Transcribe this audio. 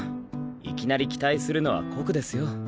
いきなり期待するのは酷ですよ。